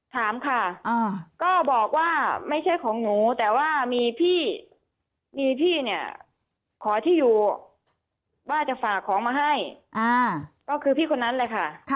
ถามค่ะก็บอกว่าไม่ใช่ของหนูแต่ว่ามีพี่มีพี่เนี่ยขอที่อยู่ว่าจะฝากของมาให้ก็คือพี่คนนั้นเลยค่ะ